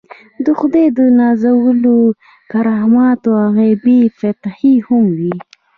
د خدای د نازولو کرامات او غیبي فتحې هم وي.